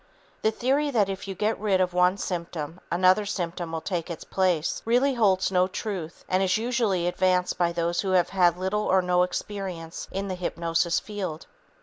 The theory that if you get rid of one symptom another symptom will take its place really holds no truth and is usually advanced by those who have had little or no experience in the hypnosis field.